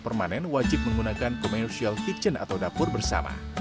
jadi makanan permanen wajib menggunakan commercial kitchen atau dapur bersama